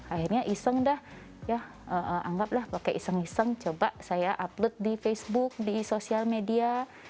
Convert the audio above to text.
akhirnya iseng dah ya anggaplah pakai iseng iseng coba saya upload di facebook di sosial media